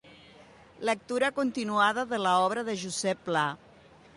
Lectura continuada de l'obra de Josep Pla.